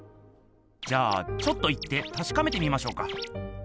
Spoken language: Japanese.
じゃあちょっと行ってたしかめてみましょうか。